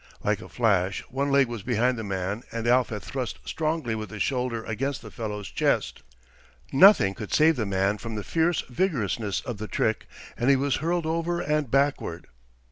Like a flash one leg was behind the man and Alf had thrust strongly with his shoulder against the fellow's chest. Nothing could save the man from the fierce vigorousness of the trick, and he was hurled over and backward.